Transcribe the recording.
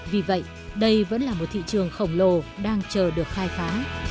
vì vậy đây vẫn là một thị trường khổng lồ đang chờ được khai phá